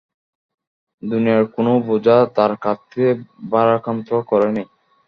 দুনিয়ার কোন বোঝা তাঁর কাধকে ভারাক্রান্ত করেনি।